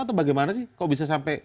atau bagaimana sih kok bisa sampai